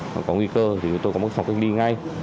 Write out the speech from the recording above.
mà có nguy cơ thì tôi có một phòng cách ly ngay